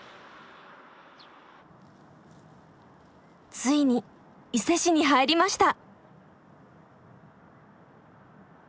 ついに伊勢市に入りました！